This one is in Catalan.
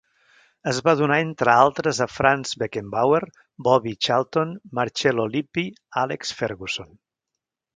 Es va donar entre altres a Franz Beckenbauer, Bobby Charlton, Marcello Lippi, Alex Ferguson.